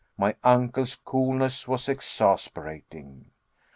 My uncle's coolness was exasperating.